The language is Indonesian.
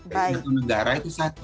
dari satu negara itu satu